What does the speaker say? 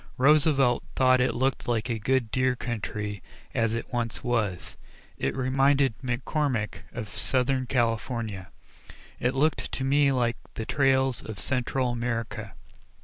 Roosevelt thought it looked like a good deer country, as it once was; it reminded McCormick of Southern California; it looked to me like the trails in Central America.